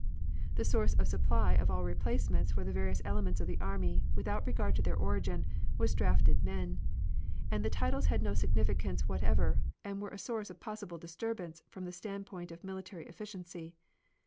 The source of supply of all replacements for the various elements of the army, without regard to their origin, was drafted men; and the titles had no significance whatever and were a source of possible disturbance from the standpoint of military efficiency.